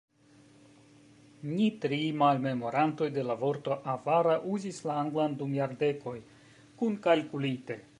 Ni tri malmemorantoj de la vorto "avara" uzis la anglan dum jardekoj, kunkalkulite.